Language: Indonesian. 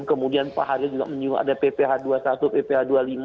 kemudian pak hari juga menyinggung ada pph dua puluh satu pph dua puluh lima